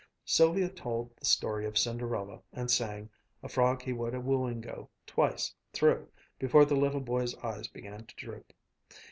Sylvia told the story of Cinderella and sang, "A Frog He Would a Wooing Go," twice through, before the little boy's eyes began to droop.